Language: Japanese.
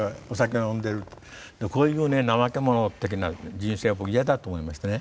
こういう怠け者的な人生は僕嫌だと思いましてね。